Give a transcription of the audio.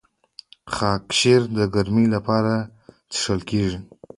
خاکشیر د ګرمۍ لپاره څښل کیږي.